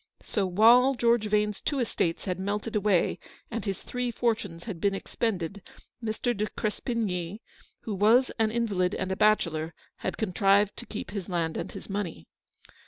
So, while George Vane's two estates had melted away, and his three fortunes had been expended, Mr. de Crespigny, who was an invalid and a bachelor, had contrived to keep his land and his money.